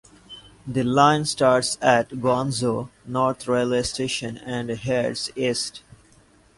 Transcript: The line starts at Guangzhou North railway station and heads east.